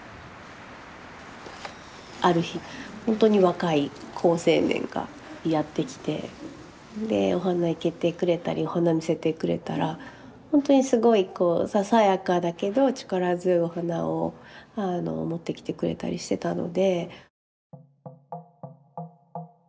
ある日ほんとに若い好青年がやって来てでお花生けてくれたりお花見せてくれたらほんとにすごいささやかだけど力強いお花を持ってきてくれたりしてたので。